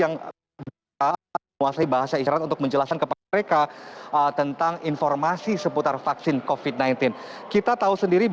ini juga menjamin bahwa founders indonesia pernah melakukan wakil kesehatan sendiri